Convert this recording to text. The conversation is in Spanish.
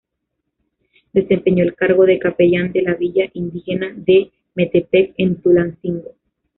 Desempeñó el cargo de capellán de la Villa Indígena de Metepec en Tulancingo.